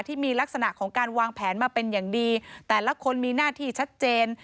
ที่มีลักษณะของการวางแผนมาเป็นอย่างดีแต่ละคนมีหน้าที่ชัดเจน